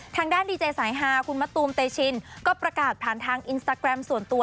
ทางด้านดีเจสายฮาคุณมะตูมเตชินก็ประกาศผ่านทางอินสตาแกรมส่วนตัว